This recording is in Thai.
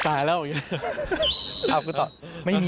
ตายแล้ว